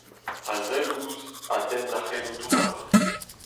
A sell ouzh, a denn d'ar c'hrenoù-douar.